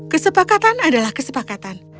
kesepakatan adalah kesepakatan